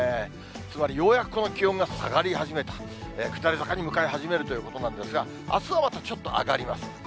つまり、ようやく気温が下がり始めた、下り坂に向かい始めるということなんですが、あすはまたちょっと上がります。